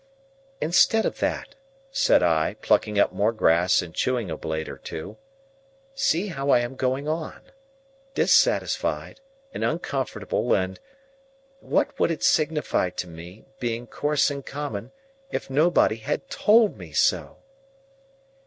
"Instead of that," said I, plucking up more grass and chewing a blade or two, "see how I am going on. Dissatisfied, and uncomfortable, and—what would it signify to me, being coarse and common, if nobody had told me so!"